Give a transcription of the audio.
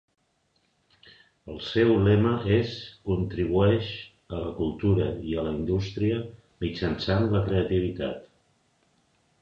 El seu lema és "Contribueix a la cultura i la indústria mitjançant la creativitat".